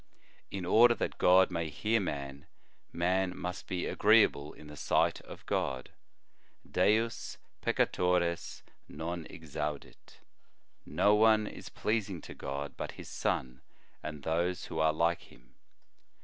In order that God may hear man, man must be agreeable in the sight ot God : Deus peccatores non exaudit. No one is pleasing to God but His Son, and those who are like Him.